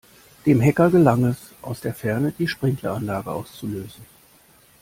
Dem Hacker gelang es, aus der Ferne die Sprinkleranlage auszulösen.